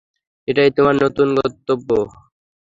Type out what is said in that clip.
এটাই তোমার নতুন গন্তব্য।